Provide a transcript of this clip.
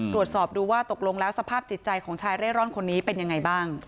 ตรวจสอบดูว่าตกลงแล้วสภาพจิตใจของชายเร่ร่อนคนนี้เป็นยังไงบ้าง